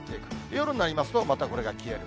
夜になりますと、またこれが消える。